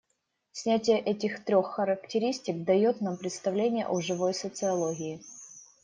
Снятие этих трех характеристик, дает нам представление о живой социологии.